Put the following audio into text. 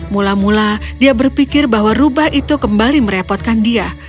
mula mula dia berpikir bahwa rubah itu kembali merepotkan dia